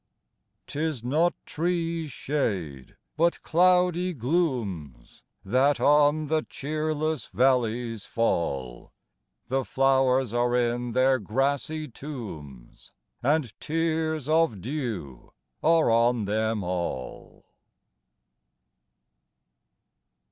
'Tis not trees' shade, but cloudy glooms That on the cheerless valleys fall, The flowers are in their grassy tombs, And tears of dew are on them all.